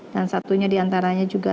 dan satunya diantaranya juga